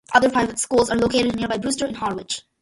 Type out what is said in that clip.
Other private schools are located in nearby Brewster and Harwich.